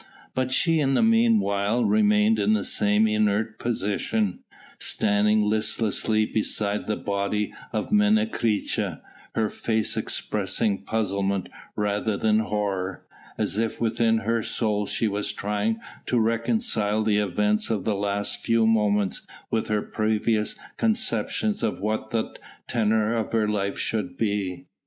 But she in the meanwhile remained in the same inert position, standing listlessly beside the body of Menecreta, her face expressing puzzlement rather than horror, as if within her soul she was trying to reconcile the events of the last few moments with her previous conceptions of what the tenor of her life should be.